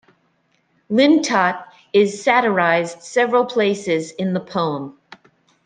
Lintot is satirised several places in the poem.